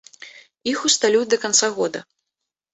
Іх усталююць да канца года.